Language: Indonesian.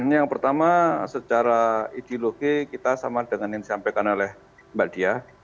yang pertama secara ideologi kita sama dengan yang disampaikan oleh mbak diah